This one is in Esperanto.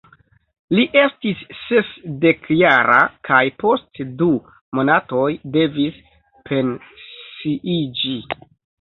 Li estis sesdekjara kaj post du monatoj devis pensiiĝi.